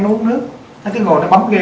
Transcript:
nó uống nước nó cứ ngồi nó bấm game